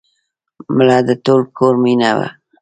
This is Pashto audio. مړه د ټول کور مینه وه